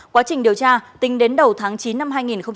quá trình điều tra tính đến đầu tháng chín năm hai nghìn một mươi bảy